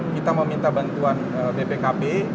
kita meminta bantuan bpkb